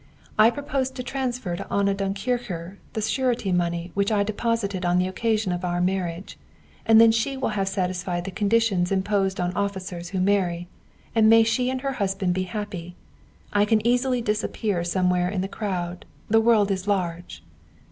'I propose to transfer to Anna Dunkircher the surety money which I deposited on the occasion of our marriage, and then she will have satisfied the conditions imposed on officers who marry and may she and her husband be happy. I can easily disappear somewhere in the crowd. The world is large.'